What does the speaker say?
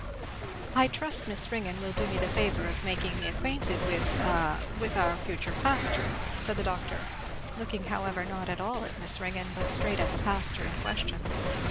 "I trust Miss Ringgan will do me the favour of making me acquainted with a with our future pastor!" said the doctor, looking however not at all at Miss Ringgan but straight at the pastor in question.